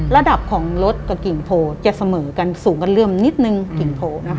ระดับของรถกับกลิ่งโพจะเสมอกันสูงกันเรื่องนิดนึง